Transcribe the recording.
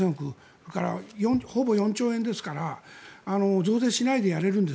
だから、ほぼ４兆円ですから増税しないでやれるんです